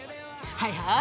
はいはーい！